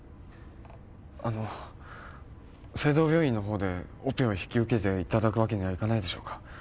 あの誠同病院の方でオペを引き受けていただくわけにはいかないでしょうか？